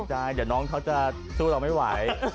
ให้ไหนได้๒น้องเขาจะสู้เราไม่ไหว